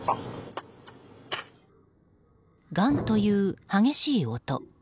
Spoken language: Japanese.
ガンという激しい音。